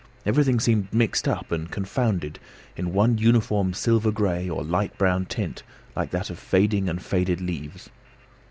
Everything seemed mixed up and confounded in one uniform silver grey or light brown tint like that of fading and faded leaves.